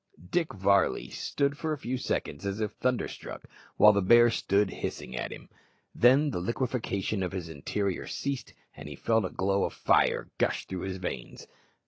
Dick Varley stood for a few seconds as if thunderstruck, while the bear stood hissing at him. Then the liquefaction of his interior ceased, and he felt a glow of fire gush through his veins.